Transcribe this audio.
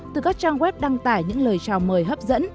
từ các trang web đăng tải những lời chào mời hấp dẫn